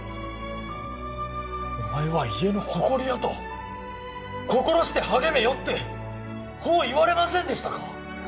「お前は家の誇りや」と「心して励めよ」ってほう言われませんでしたか？